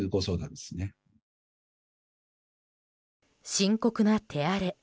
深刻な手荒れ。